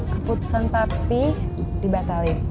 keputusan papi dibatalin